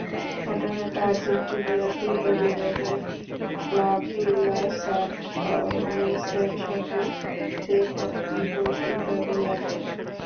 ঘটনাটা আর্জেন্টিনার তৃতীয় বিভাগের ক্লাব ভিল্লা সান কার্লোসের সঙ্গে দেপোর্তিভো ইতালিয়ানোর।